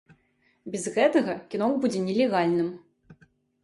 Без гэтага кіно будзе нелегальным.